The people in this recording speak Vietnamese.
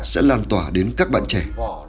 sẽ lan tỏa đến các bạn trẻ